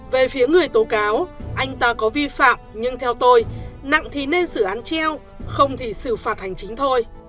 về phía người tố cáo anh ta có vi phạm nhưng theo tôi nặng thì nên xử án treo không thể xử phạt hành chính thôi